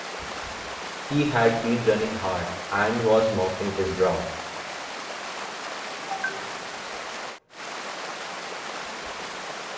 He had been running hard, and was mopping his brow.